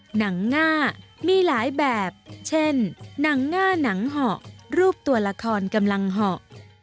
หนังหน้ามีหลายแบบเช่นหนังหน้าหนังเหาะรูปตัวละครกำลังเหาะ